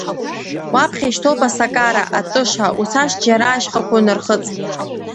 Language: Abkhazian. Уаԥхьа ишьҭоуп асакара, атыша, уцашт џьара ашьхақәа унархыҵ.